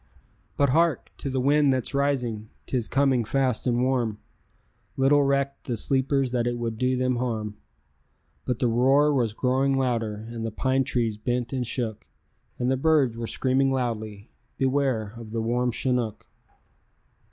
But hark! to the wind that's rising; 'tis coming fast and warm; Little recked the sleepers that it would do them harm; But the roar was growing louder, as the pine trees bent and shook, And the birds were screaming loudly, "Beware of the warm chinook."